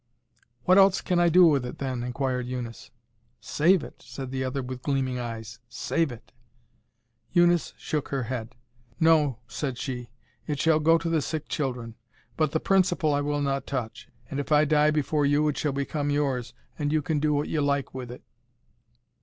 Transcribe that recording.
"What else can I do with it then?" inquired Eunice. "Save it," said the other with gleaming eyes, "save it." Eunice shook her head. "No," said she, "it shall go to the sick children, but the principal I will not touch, and if I die before you it shall become yours and you can do what you like with it."